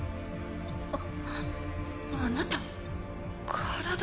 あっあなた体。